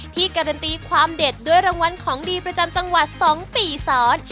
การันตีความเด็ดด้วยรางวัลของดีประจำจังหวัด๒ปีซ้อน